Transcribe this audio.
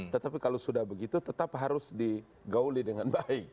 tetapi kalau sudah begitu tetap harus digauli dengan baik